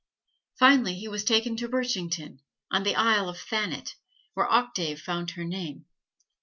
Finally he was taken to Birchington, on the Isle of Thanet (where Octave found her name).